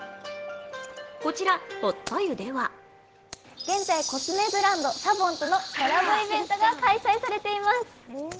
こちら、堀田湯では現在コスメブランド・ＳＡＢＯＮとのコラボイベントが開催されています。